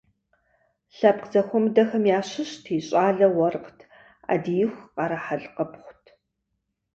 Лъэпкъ зэхуэмыдэхэм ящыщти – щӏалэр уэркът, ӏэдииху къарэхьэлкъыпхъут.